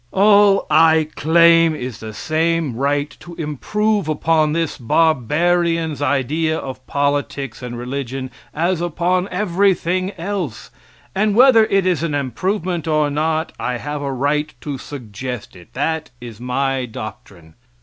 All I claim is the same right to improve upon this barbarian's ideas of politics and religion as upon everything else, and whether it is an improvement or not, I have a right to suggest it that is my doctrine.